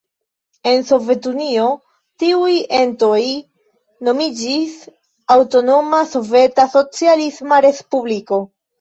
En Sovetunio tiuj entoj nomiĝis aŭtonoma soveta socialisma respubliko.